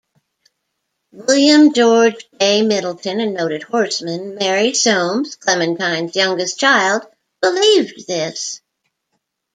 William George "Bay" Middleton, a noted horseman; Mary Soames, Clementine's youngest child, believed this.